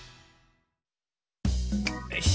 よし。